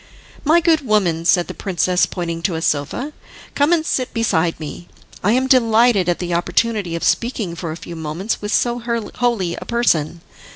"My good woman," said the princess pointing to a sofa, "come and sit beside me. I am delighted at the opportunity of speaking for a few moments with so holy a person."